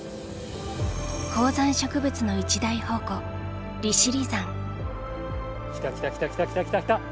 高山植物の一大宝庫来た来た来た来た来た来た来た！